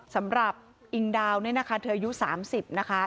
สำหรับอิงดาวเนี่ยนะคะเธออายุ๓๐นะคะ